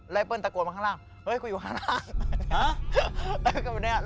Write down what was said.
ไอเปิ้ลตะโกนมาข้างล่างเฮ้ยกูอยู่ข้างล่าง